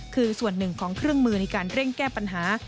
คือส่วนหนึ่งของเครื่องมือในการเร่งแก้ปัญหา